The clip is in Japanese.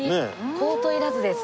コートいらずです。